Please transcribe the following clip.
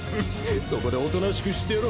そこでおとなしくしてろ。